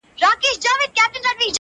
سپینه ورځ یې توره شپه لیده په سترګو.!